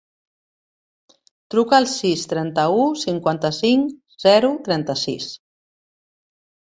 Truca al sis, trenta-u, cinquanta-cinc, zero, trenta-sis.